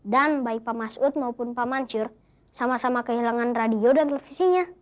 dan baik pak masud maupun pak mancur sama sama kehilangan radio dan televisinya